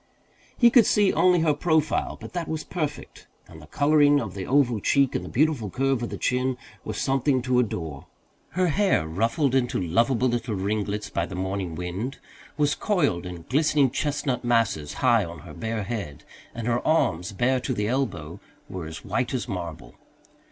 He could see only her profile, but that was perfect, and the colouring of the oval cheek and the beautiful curve of the chin were something to adore. Her hair, ruffled into lovable little ringlets by the morning wind, was coiled in glistening chestnut masses high on her bare head, and her arms, bare to the elbow, were as white as marble.